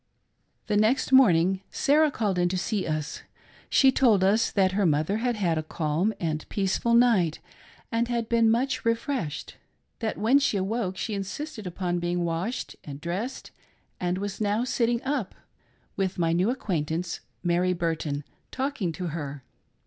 The next morning Sarah called in to see us. She told' us that her mother had had a calm and peaceful night, and had been much refreshed ; that when she awoke she insisted upon being washed and dressed and was now sitting up, with my new acquaintance — Mary Burton — talking to her.